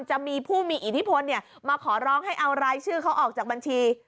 จะมีผู้มีอิทธิพลมาขอร้องให้เอารายชื่อเขาออกจากบัญชี